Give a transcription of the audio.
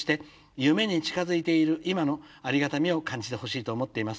夢に近づいている今のありがたみを感じてほしいと思っています。